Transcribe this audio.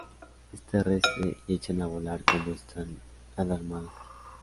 Es terrestre, y echan a volar cuando están alarmados.